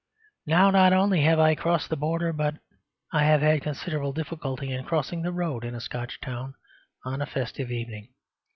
Now, not only have I crossed the border, but I have had considerable difficulty in crossing the road in a Scotch town on a festive evening.